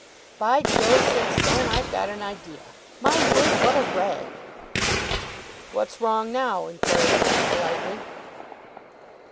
"By Jove," said Stone, "I've got an idea. My word, what a rag!" "What's wrong now?" inquired Mike politely.